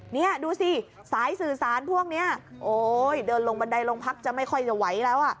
นี่ดูสิสายสื่อสารพวกนี้โอ้ยเดินลงบันไดโรงพักจะไม่ค่อยจะไหวแล้วอ่ะ